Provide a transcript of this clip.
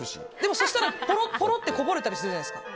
そうしたら、ぽろってこぼれたりするじゃないですか。